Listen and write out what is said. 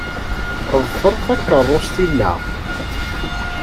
Ḍfer takeṛṛust-inna.